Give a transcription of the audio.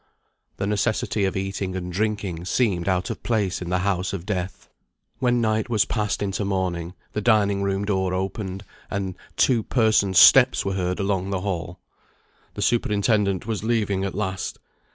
The necessity of eating and drinking seemed out of place in the house of death. When night was passing into morning, the dining room door opened, and two persons' steps were heard along the hall. The superintendent was leaving at last.